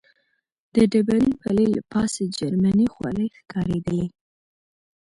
د ډبرین پله له پاسه جرمنۍ خولۍ ښکارېدلې.